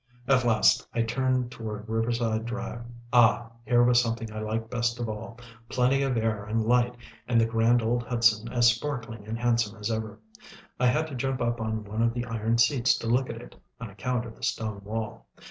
At last I turned toward Riverside Drive. Ah! here was something I liked best of all plenty of air and light, and the grand old Hudson as sparkling and handsome as ever. I had to jump up on one of the iron seats to look at it, on account of the stone wall.